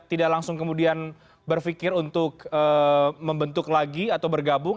tidak langsung kemudian berpikir untuk membentuk lagi atau bergabung